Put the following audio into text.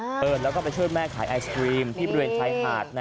เออแล้วก็ไปช่วยแม่ขายไอศครีมที่บริเวณชายหาด